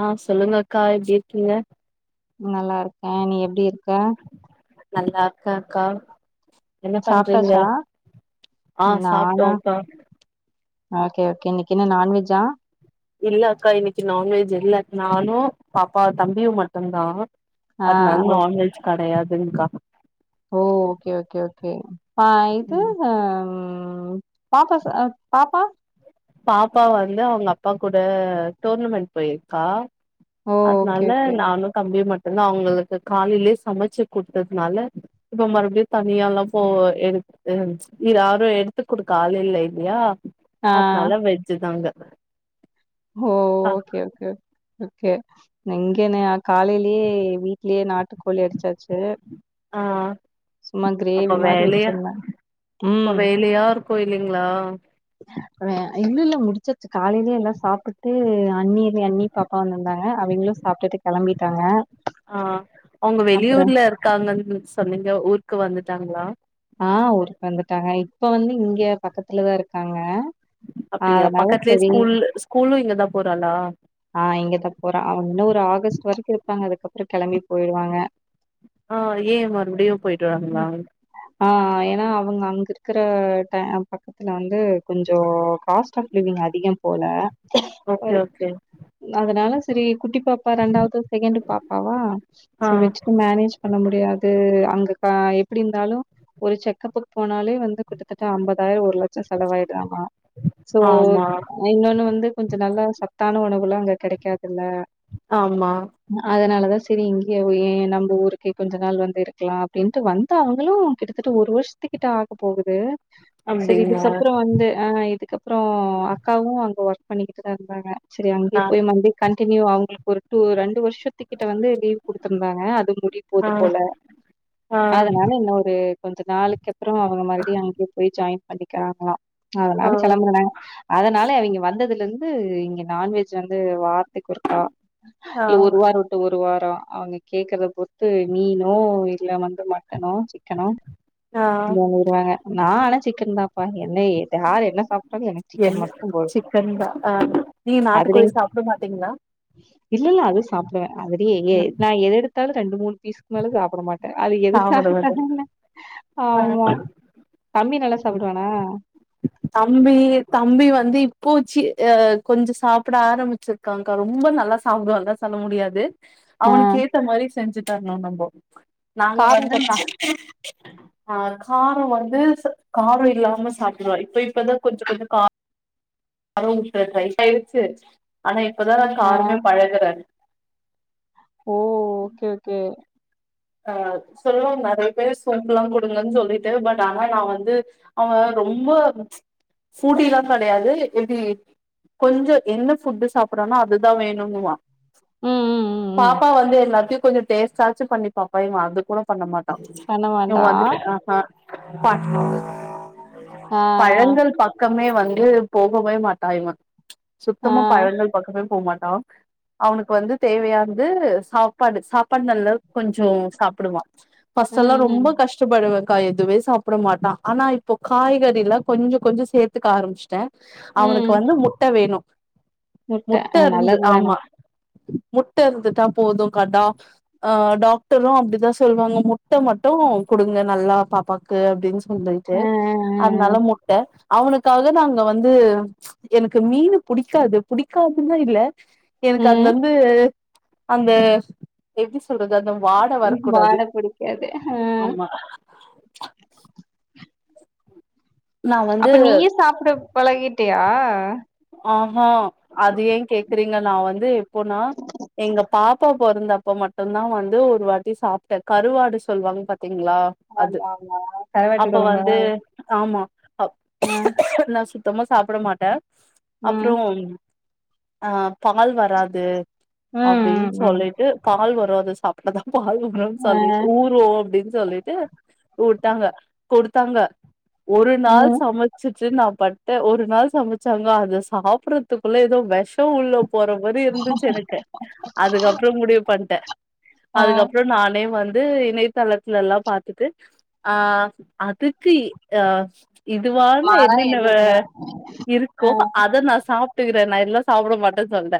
ஆ சொல்லுங்க அக்கா எப்டி இருக்கீங்க நல்லா இருக்கே நீ எப்டி இருக்க நல்லா இருக்க அக்கா என்ன பண்றீங்க சாப்ட்டாச்சா? ஆ நானா சாப்டோக்கா ஓகே ஓகே இன்னிக்கு என்ன நான்வெஜ்ஜா இல்ல அக்கா இன்னிக்கு நான்வெஜ் இல்ல நானு பாப்பா தம்பியு மட்டுந்தா ஆ அதனால ஓ நான்வெஜ் கடையாதுங்க்கா ஓ ஓகே ஓகே ஓகே ஆ இது ம் ம் பாப்பா சு அ பாப்பா பாப்பா வந்து அவங்க அப்பா கூட டோர்னமண்ட் போயிருக்கா ஓ ஓகே அதுனால ஓகே. நானு தம்பியு மட்டுதா அவங்களுக்கு காலைலயே சமச்சு குடுத்ததுனால இப்ப மறுபடியு தனியா எல்லா போ எடுக் ம் யாரு எடத்து குடுக்க ஆள் இல்ல இல்லயா ஆ நால்ல வெஜ்ஜு தாங்க ஹோ ஓகே ஓகே ஓகே நுங்கேனே அ காலையிலயே வீட்லயே நாட்டுக்கோழி அடிச்சாச்சு ஆ சும்மா கிரேவி அப்ப மாரி வேலையா வச்சிருந்தேன். ம் வேலையார் கோயிலுங்ளா வே இல்லல்ல முடிச்சாச்சு காலைலயே எல்லா சாப் புட்டு அன்னியவே அண்ணி பாப்பா வந்துருந்தாங்க அவிங்களு சாப்டுட்டு கெளம்பிட்டாங்க ஆ அவுங்க அப்ற வெளியூர்ல இருக்காங்கன் சொன்னீங்க ஊருக்கு வந்துட்டாங்ளா ஆ ஊருக்கு வந்துட்டாங்க இப்ப வந்து இங்க பக்கத்துலதா இருக்காங்க அப்டியா அதனால பக்கத்லயே சரி ஸ்கூல் ஸ்கூலு இங்கதா போறாளா ஆ இங்கதா போறா அவுங்க இன்னு ஒரு ஆகஸ்ட் வரிக்கு இருப்பாங்க அதுக்கப்றோ கெளம்பி போய்டுவாங்க ஆ ஏ மறுப்டியு போய்டு வாங்ளா ஆ எனா அவுங்க அங்க இருக்கற ட அப்பப்ப நா வந்து கொஞ்சோ காஸ்ட் ஆப் லிவிங் அதிகம் போல ஓகே ஓகே அதனால செரி குட்டி பாப்பா ரண்டாவது செகண்ட்டு பாப்பாவா ஆ சோ வெச்சுட்டு மேனேஜ் பண்ண முடியாது அங்க க எப்டி இருந்தாலு ஒரு செக்கப்புக் போனாலே வந்து கிட்டத்தட்ட அம்பதாய்ரோ ஒரு லட்சோ செலவாய்டுதாம சோ ஆமா இன்னொன்னு வந்து கொஞ்சோ நல்லா சத்தான உணவுலா அங்க கடைக்காதுல்ல ஆமா அதனாலதா செரி இங்கியே ஏ நம்ப ஊருக்கே கொஞ்ச நாள் வந்து இருக்கலா அப்டின்ட்டு வந்த அவுங்களு கிட்டத்தட்டு ஒரு வர்ஷத்துக்கிட்ட ஆக போகுது செரி அப்டிங்களா இதுக்கப்றோ வந்து அ இதுக்க அப்றோ அக்காவு அங்க ஒர்க் பண்ணிக்குட்டுதா இருந்தாங்க செரி அங்கியே ஆ போய் மண்டி கண்டினியூ அவுங்களுக்கு ஒரு டூ ரெண்டு வர்ஷ் ஷோத்துகிட்ட வந்து லீவ் குடுத்துருந்தாங்க அது முடிய போது ஆ போல ஆ அதனால என்ன ஒரு கொஞ்ச நாளைக்கு அப்றோ அவுங்க மறுடியு அங்கே போய் ஜாயின் பண்ணிக்கிறாங்ளா ஆ அதனால கெளம்பரனாங்க அதனால அவிங்க வந்ததுலருந் து இங்க நான்வெஜ் வந்து ஒரு வாரத்துக்கு ஒருக்கா ஆ இல்ல ஒரு வாரோ ஒரு வாரோ அவங்க கேக்கறத பொறுத்து மீனோ இல்ல வந்து மட்டனோ சிக்கனோ ஆ சொல்லிருவாங்க நா ஆனா சிக்கன்தாப்பா என்ன யார் என்ன சாப்டாலு எனக்கு சிக்கன் மட்டும்போது ரெண்டா அ நீங்க நாட்டுக்கோலி சாப்பட மாட்டீங்ளா இல்ல இல்ல அதுவு சாப்புடுவே அதலயே நா எத எடுத்தாலு ரெண்டு மூணு பீஸுக்கு மேல சாப்பட மாட் அது சாப்ட மாட்டே எதுக்கானா ஆமா தம்பி நல்லா ஆ சாப்புடுவானா தம்பி தம்பி வந்து இப்போ சீ அ கொஞ்சோ சாப்பட ஆரம்பிச்சிரு காங்கா ரொம்ப நல்லா சாப்டுவான்லா சொல்ல முடியாது ஆ. அவனுக்கு ஏத்தமாரி செஞ்சு தரணு நம்போ நாங்க காரம் வந்து சட்னி நா ஆ காரோ வந்து காரோ இல்லாம சாப்புடுவா இப் இப்ப இப்பதா கொஞ்சோ கொஞ்சோ காரோ ட்ரை ஆய்ருச்சு ஆனா இப்பதா நா ஆ காரமே பழகுறேங் ஓ ஓகே ஓகே அ சொல்லுங் நறைய பேர் சோம்புலா குடுங்கன் சொல்லிட்டு பட் ஆனா நா வந்து அவ ரொம்ப ஃபூட்டிலா கடையாது எப்டி கொஞ்சோ என்ன ஃபுட்டு சாப்பற்றானோ அதுதா வேணுங்குவா ம் ம் ம் ம் பாப்பா வந்து எல்லாத்தையு கொஞ்சோ டேஸ்ட்டாச்சு பண்ணி பாப்பா இவ அது கூட பண்ண மாட் பண்ண இவ மாட்டா வந்து ஆஹா பாட் ஆ பழங்கள் பக்கமே வந்து போகவே மாட்டா இவ ஆ சுத்தமா பழங்கள் பக்கமே போ மாட்டா அவனுக்கு வந்து தேவையான்து சாப்பாடு சாப்பாடு நல்லா கொஞ்சோ சாப்புடுவா ஃபஸ்டல்லா ம் ம் ரொம்ப கஷ் ஷ்டப்படுவங்க்கா எதுமே சாப்ட மாட்டா ஆனா இப்போ காய்கறில்லா கொஞ்சோ கொஞ்சோ சேத்துக்க ஆரம்பிச்ட்டே. அவனுக்கு ம் வந்து முட்ட வேணு முட்ட ஆ இருந்து நல்லதுதான ஆமா. முட்ட இருந்துட்டா போதுங்க்கா டா அ டாக்டரு அப்டிதா சொல்வாங்க முட்ட மட்டு குடுங்க நல்லா பாப்பாக்கு அப்டின் சொல்லி ட்டு ஆ ஆ ஆ அதனால முட்ட அவனுக்காக நாங்க வந்து எனக்கு மீனு புடிக்காது புடிக்காதுன்னா இல்ல ஆ எனக்கு ம் அதுலந்து அந்த எப்டி சொல் றது வாட வரக்கூடாது வாட புடிக்காது ஆ ஆமா. நா வந்து அப்ப நீயே சாப்பட பழகிட்டயா? ஆ ஹ அது ஏ கேக்குறீங்க நா வந்து எப்போனா எங்க பா ப்பா பொறந்தப்ப மட்டுந்தா வந்து ஒரு வாட்டி சாப்ட்டே கருவாடு சொல்வாங் பாத்தீங்ளா? அது ஆமா ஆமா கருவாட்டு அப்ப கொழம்பா வந்து ஆமா அ ஆ நா சு த்தமா சாப்பட மாட்டே. ம் அப்றோம் அ பால் வராது ம் அப்டின் ம் ம் சொல்லிட் டு பால் வரு அது சாப்ட்டாதா பால் வருன் ஆ சொல்லிட் ஊறு அப்டின் சொல்லிட்டு உட்டாங்க கொடுத்தாங்க ஒரு நாள் ம் சமைச்சுட் ச்சு நா பட்ட ஒரு நாள் சமச்சாங்க அத சாப்ட்றதுக்குள்ள எதோ வெஷோ உள்ள போற மாரி இருந்துச்சு எனக்கு அதுக்கப்றோ முடிவு பண்ட்டே. ஆ அதுக்கப்றோ நானே வந்து இணைய் தளத்ல எல்லா பாத்துட்டு ஆ அதுக்கு இ அ இது வாங்க என்னென்ன வ உ இருக்கு அத நா சாப்ட்டுக்கிறே நா இதல்லா சாப்ட மாட்டே சொல்ட்டே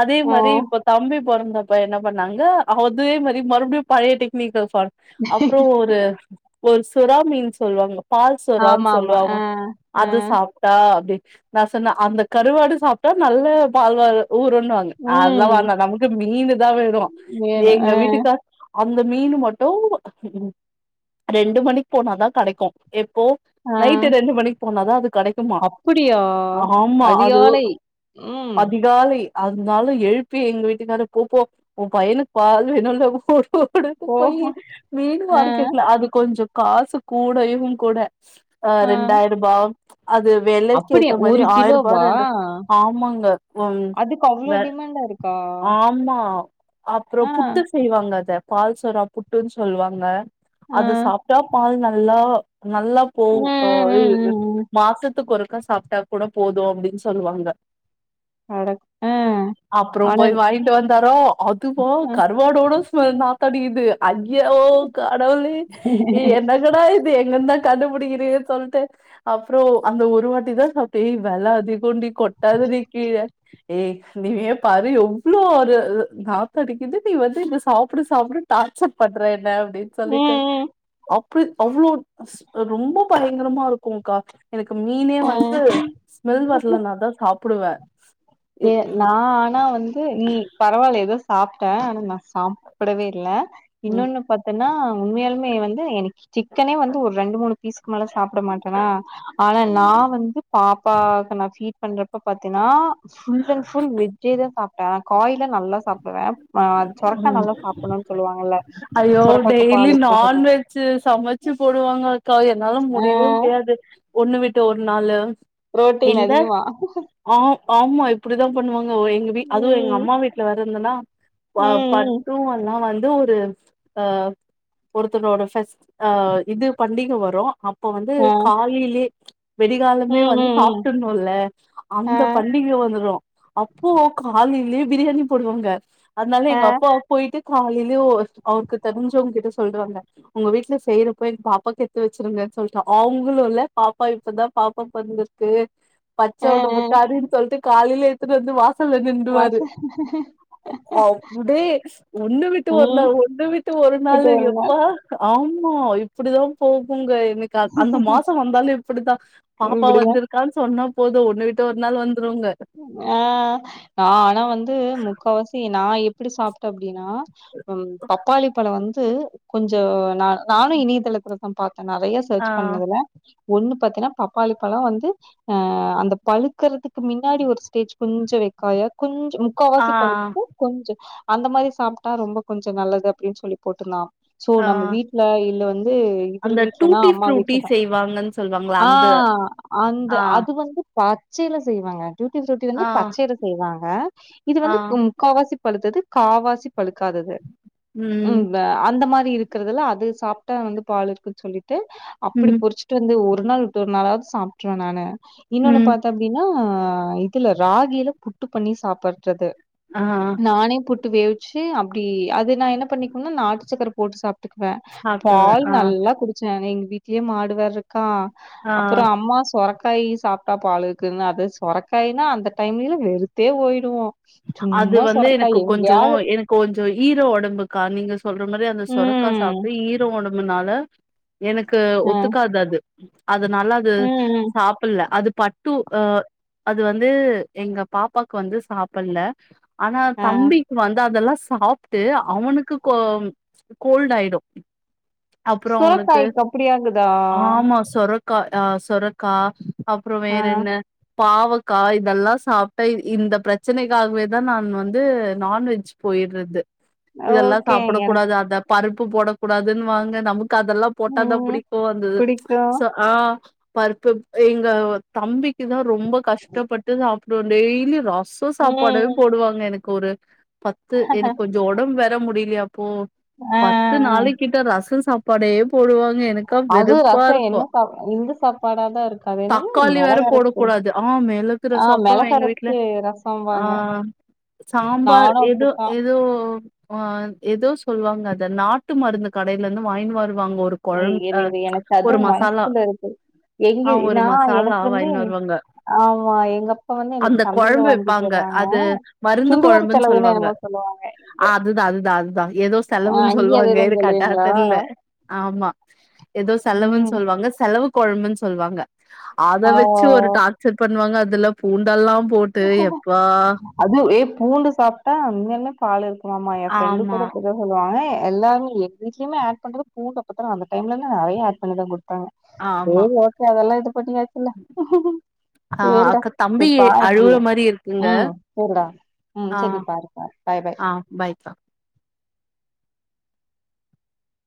அதே ஆ மாரி இப்போ தம்பிப் பொறந்தப்ப என்ன பண்ணாங்க அ அதுவே மாரி மறுப்டியு பழைய டெக்னிக்க ஃபா அப்றோ ஒரு ஒரு சுறா மீன் சொல்லுவாங்கோ. பால் சுறான் ஆமா ஆமா சொல்லுவாங்க ஆ ஆ அது சாப் ட்டா அப்டி நா சொன்னே அந்த கருவாடு சாப்ட்டா நல்ல பால் வரு ஊறுன்னுவாங் அதலா ம் வாண்டா நமக்கு மீனு தா வேணு இது வேணு எங்க ஆ வீட்டுக்கா அந்த மீனு மட்டு ரெண்டு மணிக் போனாதா கடைக்கு எப் போ ஆ நைட்டு ரெண்டு மணிக்கு போனாதா அது கெடைக்கும் அப்படியா? அதிகாலை ம். காலை அதுனாலு எழுப்பி எங்க வீட்டுக்கார போ போ உம் பையனுக் பால் வேணுல்ல ஓடு ஓடுன்ட்டு போயி ஓஹோ! மீனு அ, மார்க்கெட்ல அது கொஞ்சோ காசு கூடயும் கூட அ ரெண்டாயிருபா அது வெல அப்படியா? க்கேத்த மாரி ஆயர்பா கிலோவா? ரண்டு ஆமாங்க உம் அதுக்கு அவ்ளோ வெ டிமாண்டா இருக்கா? ஆமா அப்றோ ஆ, புட்டு ஸ் செய்வாங்க அத பால் சொறா புட்டுன் சொல்வாங்க ஆ. அது சாப்ட்டா பால் நல்லா நல்லா ம், போவு ம், ம், [unintelligible] ம், ம். மாசத்துக்கொருக் கா சாப்ட்டா கூட போது அப்டின் சொல்வாங்க. அட ஆ, அப்றம் ஆனா போய் வாய்ண்ட்டு வந்தாரா அதுவா அ. கருப் ஓடு கூடோ ஸ்மெல் நாத்தடிக்குது அய்யோ கடவுளே ஏ என்னங்டா இது எங்கந்தா கண்டுபிடிக்கிறியோ சொல்ட்டு அப்றோ அந்த ஒரு வாட் டிதா சாப்ட்டே ஏ வெல அதிகொன்டி கொட்டாதடி கீழ ஏ நீனே பாரு எவ்ளோ ஒரு இது நாத்தடிக்குது நீ வந்து இத சாப்டு சாப்டுன் டார்ச்சர் பண்ற என்ன அப்டின் சொல்லிட்டே ம், ம், அப்படி அவ்வளோ ரொம்போ பயங்கரமா இருக்குங்கா எனக்கு மீனே அ. வந்து ஸ்மெல் வரலேனா தா சாப்பிடுவே ஏ நா ஆனா வந்து நீ பரவால்ல ஏதோ சாப்பிட்டே ஆனா நா சாப்பிடவே இல்ல ம் இன்னொன்னு பாத் ன்னா உண்மையாலுமே வந்து எனக்கு சிக்கனே வந்து ஒரு ரெண்டு மூணு பீசுக்கு மேல சாப்பிட மாட்டேன்னா ஆனா நா வந்து பாப்பாக்கு நா சீ பண்றப்ப பாத்தீன்னா ஃபுல் அண் ஃபுல் வெஜ்ஜே தா சாப்பிட்டே காய்லா நல்லா சாப்பிடுவே ஆ சொரக்கா ம் நல்லா சாப்பிடணுன்னனு சொல்லுவாங்கல்ல ஐயோ சொரக்காக்கு டெய்லி பால் ஊத்த சொல்லுவாங்க நான்வெஜ்ஜு சமைச்சு போடுவாங்க அக்கா என்னால ஆ முடியவே முடியாது ஒண்ணு வீட்டு ஒரு நாளு புரோட்டீன் இல்ல அதிகமா ஆ ஆமா இப்படிதா பண்ணுவாங்க எங்கீ அதுவு எங்க ம் அம்மா வீட்டுல வேற இருந்தன்னா ம் ஆ ம் பட்டு எல்லா வந்து ஒரு ஆ ஒருத்தனோட ஃபேஸ்ட் ஆ இது பண்டிக வரு அப்ப வந்து ஆ காலியிலே வெடிகாலமே ம் வந்து ம் ம் சாப்டடுணுல்ல ஆ அந்த பள்ளிக வந்துரு அப்போ காலையிலயே பிரியாணி போடுவாங்க அதனால ஆ எங்க அப்பா போயிட்டு காலையிலயே அவருக்கு தெரிஞ்சவங்ககிட்ட சொல்றாங்க உங்க வீட்டுல செய்யறப்போ எங்க பாப்பாக்கு எடுத்து வச்சிருங்கன்னு சொல்டு அவங்களு இல்ல பாப்பா இப்பதா பாப்பா பொறந்திருக்கு பச்ச ஆ ஆ ஒடம்புக்காரின்னு சொல்லிட்டு காலையில எடுத்துட்டு வந்து வாச வாசல்ல வாச நின்ருவாரு அப்டியே ஒண்ணு விட்டு ஓரு ம் நாள் தவிட்டு ஒரு நாள் எப்பா ஆமா இப்படிதா போகுங்க எனக்கு அந்த மாசோ வந்தாலே இப்படிதா பாப்பா இப்டிதா வந்திருக்கான்னு சொன்ன போது ஒண்ணு விட்டு ஒரு நாள் வந்துருவங்க ஆ நா ஆனா வந்து முக்கால்வாசி நா எப்பிடி சாப்பிட்டே அப்படின்னா ம் பப்பாளி பழம் வந்து கொஞ்சு நா நானு இணையதளத்துலதா பாத்தே நறையா ஆ சர்ச் பண்ணதுல ஒன்னு பாத்தீங்கன்னா பப்பாளி பழோ வந்து அந்த பழுக்கறதுக்கு மின் முன்னாடி ஒரு ஸ்டேஜ் கொஞ்சு வைக்காய கொஞ்சு ஆ முக்கால்வாசி பழுத்து கொஞ்சு அந்த மாரி சாப்பிட்டா ரொம்போ கொஞ்சு நல்லது அப்படின்னு சொல்லி போட்டுருந்தா சோ ஆ நம்ம வீட்டுல இல்ல வந்து இவுரு அந்த வீட்லன்னா டூட்டி அம்மா ஃப்ரூட்டி வீட்டு்லதா செய்வாங்கன்னு சொல்லுவாங்கள ஆ அந்த அந்த ஆ அது வந்து பச்சையில செய்வாங்க டியூட்டி புரூட்டி வந்து ஆ பச்சையில செய்வாங்க இது ஆ வந்து முக்காவாசி பழுத்தது காவாசி பழுக்காதது உ ம் அந்த மாரி இருக்கு ருக்குதுல அது சாப்பிட்டா வந்து பால் இருக்குன்னு சொல்லிட்டு அப்படி ம் பொரிச்சு வந்து ஒரு நாள் விட்டு ஒரு நாளாவது சாப்பிட்டுருவே நானு இன்னொன்னு ம் பாத்தே அப்படின்னா இதுல ராகில புட்டு பண்ணி சாப்புடுறது ஆ ஆ நானே புட்டு வேவிச்சு அப்படி அது நா என்ன பண்ணிக்கோனா நாட்டுச்சக்கரை போட்டு சாப் க்குவே சாப்டுவே பால் ஆ நல்லா குடிச்சே எங்க வீட்லயே மாடு வேர இருக்கு க்கா ஆ அப்புறோ அம்மா சொரக்காயி சாப்பிட்டா பால் இருக்குன்னு அது சொர க்காய் நா அந்த டைம்லல வெறுத்தே போயிடுவோ அது சும்மா வந்து சொரக்காய் எனக்கு கொஞ்சொ எங்கேயாவது எனக்கொஞ்சு ஈரோ ஒடம்புக்கா நீங்க சொல்ற மாரி அந்த சொர க்கா ம் சாப்பிட்டு ஈரோ ஒடம்புனால எனக்கு அ ஒத்துக்காது அது அதநாலா து ம் ம் சாப்புட்ல அது பாட் டு அ அது வந்து எங்க பாப்பாக்கு வந்து சாப்புட்ல ஆனா அ தம்பிக்கு வந்து அதெல்லா சாப்ட்டு அவனுக்கு கோ கோல்ட் ஆயிடு அப்றோ அவனுக்கு சுரக்காய்க்கு அப்டியாகுதா ஆமா சொரக் க்கா அ சொரக்கா அப்றோ ஆ வேற என்ன பாவக்கா இதெல்லா சாப்ட்டு இந்த பிரச் ப்ரச்சனைக்காகவே தா நா வந்து நான்வெஜ் போயிர்றது இதெல்லா ஓகே சாப்ட எனக்கு கூடாது அதுல பருப்பு போட கூடாதுன்னு வாங்க நமக்கு அதெல்லா போட்டா தா ம் புடிக்கு அந்தது ம் பிடிக்கு சோ ஆ பருப் பருப் அ எங்க தம்ப் பிக்குதா ரொம்ப கஷ்டப்பட்டு சாப்படுவோ டெய்லி ரசொ சாப்பாடே ம் போடுவாங்க எனக்கு ஒரு பத்து எனக்கு கொஞ்சோ உடம்பு வேற முடியலையா அப்போ அ அ பத்து அ நாளை கிட்ட ரசம் சாப்ப பாடேயே போடுவாங்க எனக்கா அது வெறுப்பா ரசோ இருக்கு என்ன சாப் இந்த சாப்பாடாதா இருக்கு அது என்னது தக்காளி வேற மெளகரச்சு போடக்கூடாது ஆ மில இருக்குற ஆ சாப்படுறோ எங்க வீட்டுல மெளகரச்சு ரசம்பாங்க ஆஹ் சாம்பார் நானு எது அப்டித்தா ஏதுவோ ஆஹ் ஏதோ சொல்லுவாங்கோ அத நாட்டு மருந்து கடையில இருந்து வாங்கிட்டு வாருவாங்க ஒர் கொழ ஏய், இரு அ இரு எனக்கு ஒரு அதுவும் மசாலா மனசுக்குள்ள இருக்கு எங்க ஆஹ் ஒரு நான் மசாலா எனக்கு வந்து வாங்கினு வருவாங்க ஆமா எங்க அப்பா வந்து எனக்கு அந்த சந்தையில குழம்புழ பாப் வாங்கிட்டு ங்க வருவாங்க அது மருந்து சுண்டுவர கொழம்பு செலவுன்னு சொல்லுவாங்க என்னமோ சொல்லுவாங்க இங்க அதுதா அதுதா அதுதா எத் ஆ, லவு அங்கேயும் சொல்லுவாங்க அதேதான் எனக் கரக்டாஹ் சொல்லுவீங்களா தெர்ல ஆமா ஏதோ செலவு ம் சொல்லுவாங்க செலவு கொழம்புன்னு சொல்லுவாங்க அத ஆ, வச்சு ஒரு டார்ச்சர் பண்ணுவாங்க அதுல பூண்டெல்லா போட்டு எப்பா அது ஏ பூண்டு சாப்பிட்டா அங்கேல பால் இருக்குமமா என் ஃப்ரெண்டு ஆமா கூட இப்ப த சொல்லுவாங்க எல்லாரு எ வீட்லயே ஆட் பண்றது பூண்ட பத்த அந்த டைம்ல இருந்து அவ்ளோ ஆட் பண்ணிதா கொடுப் ஹ் ஆமா செரி ஓகே அதெல்லா இத பத்தி ஆ அக்க தம்பி அ உ ஹ் சேரி ம் சேரி பாருப்பா பாய் பாய் பாய்பா